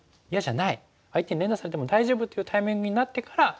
相手に連打されても大丈夫というタイミングになってから。